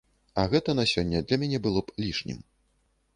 А гэта на сёння для мяне было б лішнім.